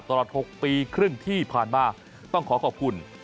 ตลอด๖ปีครึ่งที่ผ่านมาต้องขอขอบคุณ